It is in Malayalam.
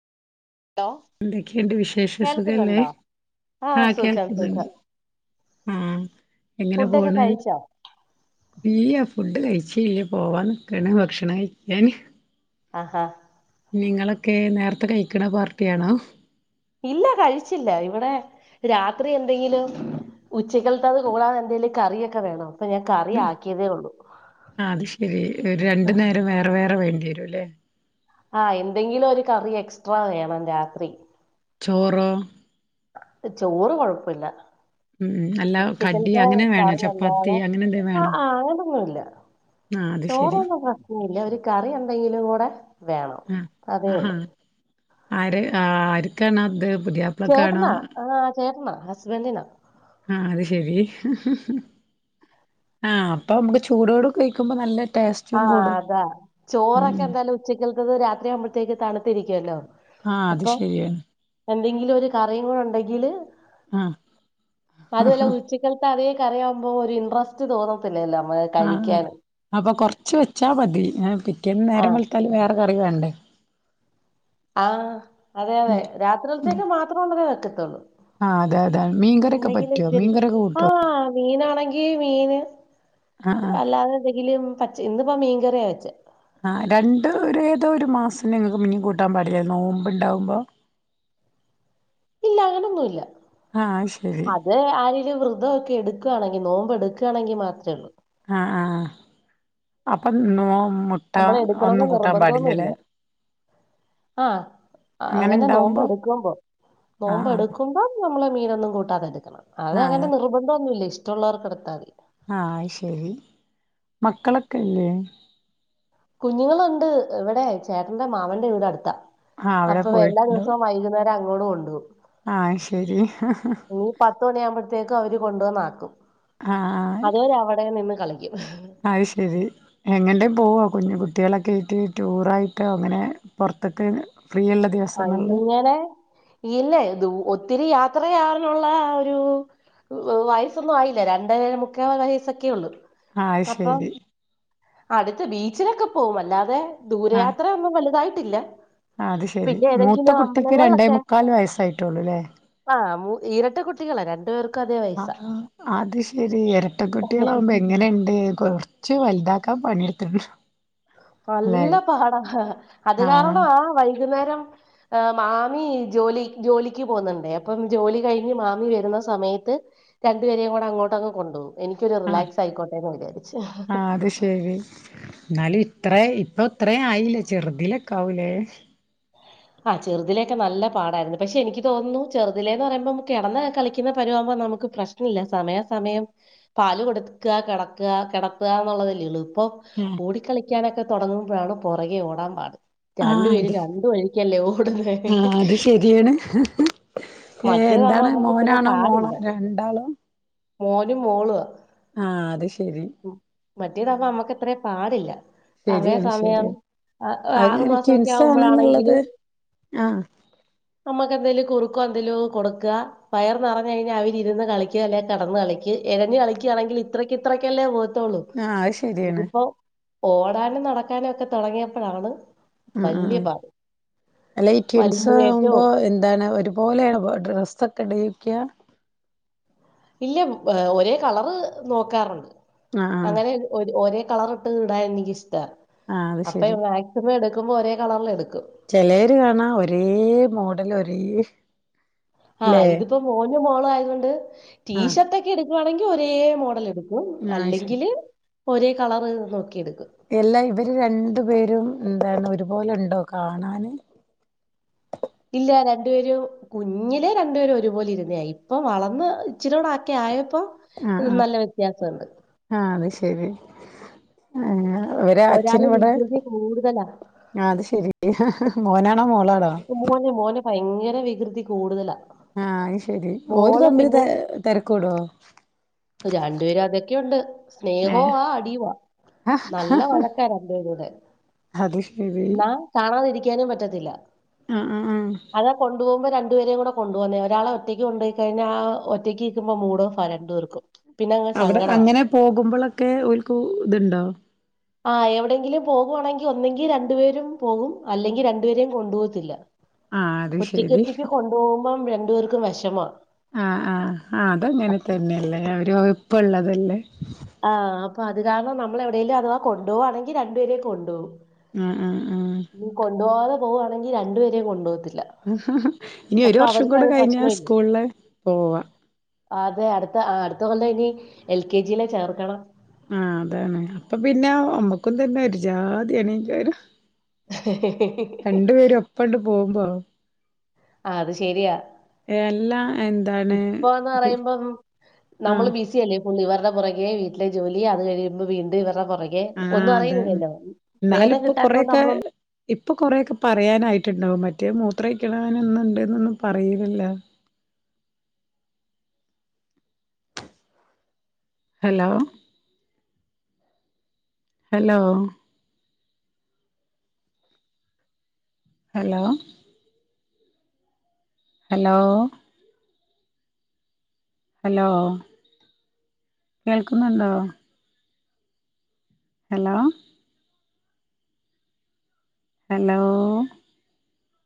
ഹലോ എന്തൊക്കെണ്ട് വിശേഷ സുഖല്ലേ കേൾക്കുന്നുണ്ടോ ആഹ് സുഖം കേൾക്ക്ന്ന്ണ്ട് സുഖം അഹ് ആഹ് എങ്ങനെ ഫുഡൊക്കെ പോണ് കഴിച്ചോ ഇല്ല്യാ ഫ് ഫുഡ് കയ്ച്ചില്ല പോവാൻ ന്ക്കാണ് ഭക്ഷണം കയിക്കാന് ആഹ് ഹാ നിങ്ങളൊക്കെ നേറ്ത്തെ കഴിക്ക്ണ പാർട്ട്യാണോ ഇല്ല കഴിച്ചില്ല ഇവ്ടെ രാത്രി എന്തെങ്കിലും ഉച്ചക്കല്ത്തെത് കൂടാതെ എന്തേലും കറിയൊക്കെ വേണം അപ്പൊ ഞാൻ കറി ആക്കിയതേ ഉള്ളൂ ആത്ശെരി രണ്ട് നേരം വേറെ വേറെ വേണ്ടി ണ്ട്യെരുലെ ആഹ് എന്തെങ്കിലും ഒരു കറി എക്സ്ട്രാ വേണം രാത്രി ചോറോ ചോറ് കൊഴപ്പല്ല ഉം അല്ല കടി അങ്ങനെ വേണ കറി ചപ്പാത്തി അല്ലാതെ അങ്ങനെന്തേ വേണോ? ആഹ് അത് ചോറ ശരി ഒന്നും [unintelligible] ഒര് കറി എന്തെങ്കിലു കൂടെ വേണം ആഹ് അതേ ആഹാ ഒള്ളു ആര് ആ ആര്ക്കാണ് അത് ചേട്ടന പുതിയാപ്ലക്കാണോ ആ ചേട്ടന ഹസ്ബെൻിന ആ അത് ശരി ആ അപ്പൊ നമ്ക്ക് ചൂടോടെ കഴിക്കുമ്പോ നല്ല ടേസ്റ്റും ആഹ് കൂടും അതാ ചോറൊക്കെ ഉം എന്തായാലും ഉച്ചക്കത്തത് രാത്രി ആവുമ്പഴത്തേക്ക് തണു ത്തിരിക്കല്ലോ ആ അത് ശരിയാ ഏതെങ്കിലും ഒരു കറിയും കൂടെ ഉണ്ടെങ്കില് ആഹ് അതല്ല ആഹ് ഉച്ചക്കലത്ത അതേ ക്കറിയാവുമ്പോ ഒരു ഇൻറസ്റ്റ് തോന്നത്തില്ലല്ലോ നമ്മ ആ ആ കഴിക്കാന് അപ്പൊ കൊർ ച്ച് വെച്ചാ മതി നേരം ആഹ് വെളുത്താലും വേറെ കറി വേണ്ടേ ആഹ് അതെ അതെ ഉം രാത്രിൽത്തേക്ക് മാത്രാണ് വെക്ക ആ ആ അതെ അതെ മീൻകറൊക്കെ പറ്റൊ മീൻകറൊക്കെ കൂട്ടോ ഈ മീന് ആഹ് ആഹ് അല്ലാതെ എന്തെങ്കിലും പച്ച ഇന്നിപ്പ മീ കറിയാ വെച്ചെ ആ രണ്ട് ഏതോരു മാസം നിങ്ങക്ക് മീൻ കൂട്ടാൻ പാടില്ലേ നോമ്പ് ഇണ്ടാവുമ്പോ ഇല്ല അങ്ങനൊന്നുല്ല ശരി അത് ആരില് വൃ [unintelligible] ഒക്കെ എടുക്കാണെങ്കി നോമ്പ്ഡ്ക്കാണെങ്കി മാത്രേ ള്ളൂ ആആഹ് അപ്പം നോ മുട്ട നമ്മള് ഒന്നും എടുക്കണോന്ന് കൂട്ടാൻ പാടില്ലല്ലേ നിർബന്ധമൊന്നുല്ല ആഹ് അങ്ങനെ നോമ്പ് എടുക്കുമ്പം നോമ്പ് ആഹ് ആഹ് എടുക്കുമ്പം നമ്മള് മീനൊന്നും കൂട്ടാതെ എടു അതങ്ങനെ ആഹ് നിർബന്തോന്നൂല്ലേ ഷ്ട്ടോള്ളോർകെടുത്താതി ആഹ് ശരി കുഞ്ഞുങ്ങളുണ്ട് ഇവിടെ ചേട്ടന്റെ മാമന്റെ വീട് അടുത്താ ആഹ് അവിടെ അപ്പൊ എല്ലാ പോയിട്ടുണ്ടാവും ദിവസവും വൈകുന്നേരം അങ്ങട് കൊണ്ട്പോ ആഹ് ശെരി ഹ് ഹാ ഹാ ത്തേക്ക് അവര് കൊണ്ടുവന്നാക്കും ആഹ് അതുവരെ അവിടെ നിന്ന് കളിക്കും അത് ശെരി എങ്ങട്ടേ പോവാ കുഞ് കുട്ടികളൊക്കെ യിട്ട് ടൂറായിട്ട് അങ്ങനെ പൊറത്ക് അങ്ങനെ ഇല്ല ദൂ ഒത്തിരി യാത്രയാവാനുള്ള ഒരു വയസ്സൊന്നും ആയില്ല രണ്ടേ മുക്കാവയസ്സൊക്കെ ഒള്ളു ആത് ശെരി അടുത്ത് ബീച്ചിലൊക്കെ പോകും അല്ലാതെ ആ ദൂരയാത്ര ഒന്നും വലു ഇല്ല അത് ശെരി മൂത്ത കുട്ടിക്ക് രണ്ടേ മുക്കാൽ വയസ്സായിട്ടേള്ളു ല്ലേ ആഹ് മു ഇരട്ട കുട്ടികളാ രണ്ടു പേർ ആ അത്ശെരീ എരട്ട കുട്ടികളാകുമ്പോ എങ്ങനെയ്ണ്ട് കൊയ് ച്ചു വലുതാക്കാ പണിയെടുത് നല്ല പാടാ അത് കാരണം ആ വൈകുന്നേരം ഹ് മാമി ജോലി ജോലിക്ക് പോകുന്നുണ്ടേ അപ്പം ജോലി കഴിഞ്ഞ് മാമി വരുന്ന സമയത്ത് രണ്ടുപേരേും കൂടെ അങ്ങോട്ട് അങ്ങ് കൊണ്ടുപോകും എനിക്കൊരു ആ റിലാക്‌സായിക്കോട്ടേന്ന് വിചാരിച്ച് ഹി ഹി ന്നാലും ഇത്രെ ഇപ്പൊ ഇത്രെ ആയില്ലേ ചെറുതിലെക്കെ ആവൂലേ ആഹ് ചെറുതിലയൊക്കെ നല്ല പാടായിരുന്നു പക്ഷെ എനിക്ക് തോന്നുന്നു ചെറുതിലേന്ന് പറയുമ്പോ കിടന്ന് കളിക്കുന്ന പരിവമാവുമ്പോ നമുക്ക് പ്രശ്നം ഇല്ല സമയാ സമയം പാല് കൊടുക്കുക കിടക്കുക കിടത്തുകാന്നുള്ളതല്ലേ എളുപ്പ് പ്പോ ആ ഓടിക്കളിക്കാനൊ തുടങ്ങുമ്പോഴാണ് പുറകെ ഓടൻ പാട് രണ്ടു പേര് മറ്റേതാകുമ്പോ നമുക്ക് ഇത്ര ആഹ മോളും മോളുംആ ശരി മറ്റേതറഞ്ഞാ നമ്മക്ക്ത്ര പാ പാടില്ല ശെര്യാണ് സമയാസമയം ശെര്യാണ് അത്ങ്ങനെ ട്വിൻസ ണങ്കിൽ കുറുക്കോ ന്തേലും കൊടുക്ക വയറ് നിറഞ്ഞഴിഞ്ഞാൽ അവരിരുന്ന് കളിക്ക അല്ലെ കെടന്ന് കളിക്ക എഴഞ് കളിക്കാണെങ്കിൽ ഇത്രക്കിത്രക്കല്ലേ പോ ആഹ് അത് ശെര്യാൺ ഓടാനും നടക്കാനും ഒക്കെ തുടങ്ങിയപ്പഴാണ് ആ അ ആ അല്ല ഈ വലിഞ്ഞു കയറ്റവും ട്വിൻസാവുമ്പോ എന്താണ് ഒരുപോലേണോ ഡ്രസ്സൊക്കെ ഇട ക്യാ ഇല്ല്യ ഒരേ കളർ നോക്കാറുണ്ട് ആഹ് ആഹ് അങ്ങനെ ര് ഒരേ കളർട്ട് ഇടാൻ ന്ക്കിഷ്ടം ത്ത ആഹ് അത് അപ്പൊ ശരി മാക്സിമം എടു ക്കുമ്പം ഒരേ കളറ്ലെട് ചെലര് കാണാ ഒരേ മോഡല് ഒരേ ആഹ് ല്ലേ ഇത്പ്പൊ മോൻ നും മോളു ആയതോണ്ട് ആഹ് റ്റീഷർട്ടെക്കെട് ക്കുവാണെങ്കി ഒരേ മോഡെലെട് ആഹ് അത് ശരി അല്ലെങ്കില് ഒരേ കളറ് നോക്കി എട് എല്ല ഇവര് രണ്ടുപേരും മ്മ് ന്താണ് ഒരുപോലെണ്ടോ കാണാന് ല്ല്യ രണ്ടുപേരും കുഞ്ഞിലെ രണ്ടുപേരും ഒരുപോലിരുന്നേ ഇപ്പ വളർന്ന് ഇച്ചിരൂടെ ഒക്കെ ആയ പ്പൊ ആഹ് ആഹ് നല്ല വ്യത്യാസുണ്ട് ഏഹ് അവരെ അച്ഛന് ഒരാള് ഇവിടെ വികൃതി കൂടുതലാ ആഹ് അത് ശരി മോന മോന് മോന് ഭയങ്കര വി വികൃതി കൂടുതലാ ആഹ് അത് ശെരി ഓര് മോള് തമ്മില് തെ പിന്നെ തെരക്കൂടോ രണ്ടുപേരും അതൊക്കെ ഒണ്ട് സ്നേഹോ ഏഹ് ആ അടിയുവാ ആഹ് നല്ല വഴക്കാ രണ്ടുപേരൂടെ അത് ശെരി എന്നാ കാണാതിരിക്കാൻ ക്കാനും പറ്റത്തില്ല ആഹ് ആഹ് ആഹ് അതാ കൊണ്ടു പോകുമ്പ രണ്ട് രണ്ടുപേരേം കൂട കൊണ്ടു പോന്നേ ഒരാള ഒറ്റക്ക് കൊണ്ടുപയി കഴിഞ്ഞാ ഒറ്റക്ക്ക്കുമ്പോ മൂടോ അ രണ്ട് പേർക്കും അവ്ട അങ്ങനെ പോകുമ്പളൊക്കെ ഒരുക്കു ഇതുണ്ടോ പുവാണങ്കി ഒന്നെങ്കി രണ്ടുപേരും പോകും അല്ലെങ്കിൽ രണ്ടുപേരേം കൊണ്ടു പോ ത്തില്ല ആഹ് അത് ഒറ്റക്ക് ശെരി ഒറ്റക്ക് കൊണ്ടുപോകുമ്പം രണ്ട് ണ്ട് പ്പേർക്കും വെഷമാ ആഹ് ആഹ് ആഹ് അത് അങ്ങനെ തന്നെ അല്ലേ അവരു [unintelligible] ഇപ്പം ഒള്ളതല്ലേ ആഹ് അപ്പൊ അത് കാരണം നമ്മൾ എവിടേലും അഥവാ കൊണ്ടുവാണെങ്കി രണ്ടുപേരേം കൊണ്ട്പോകും ആഹ് ആഹ് ആഹ് പോവു ആണങ്കി രണ്ടുപേരേം കൊണ്ടോവും തിര് ഹുംഹുംഹും ഇനി ഒര് വർഷം കൂടെ കഴിഞ്ഞാ പ്രശ്നമില്ല. സ്കൂളില് പോവാ ഇതുകൊണ്ട് ഇനി എൽ കെ ജി ലെ ചേർക്കണം. ആ അതാണ് അപ്പൊ പിന്നെ അമ്മക്കും തന്നെ ഒരു ജാതിയേണേക്കാരം പോവുമ്പോ ആ അത് ശെരിയാ എല്ലാ എന്താണ് ഇപ്പോന്ന് പറയുമ്പം നമ്മള് ആഹ് ബിസി അല്ലേ ഫുള്ളിവര്ടെ പുറകെ വീട്ടിലെ ജോലി അത് കഴിയുമ്പം വീണ്ടും ഇവർ ള പൊറകെ ആഹ് ഒന്നും അതാണ് അറിയുന്നില്ലല്ലോ എന്നാലും നേരം കിട്ടാത്തോണ്ട് അമ്മളൊന്ന് പറയാനായിട്ട്ണ്ടാവും മറ്റേ മൂത്ര ഒഴിക്കണാനൊന്ന്ണ്ട്ന്നൊന്നും പറയിലല്ലാേ hello hello hello hello hello കേൾക്കുന്നുണ്ടോ ഹലോ ഹലോ